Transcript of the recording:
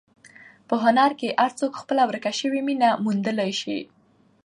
په هنر کې هر څوک خپله ورکه شوې مینه موندلی شي.